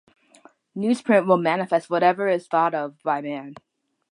Newsprint will manifest whatever is thought of by man.